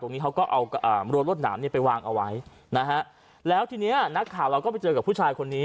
ตรงนี้เขาก็เอารถนามนี่ไปวางเอาไว้นะครับแล้วทีแล้วทีนี้นักข่าวเราก็ไปเจอกับผู้ชายคนนี้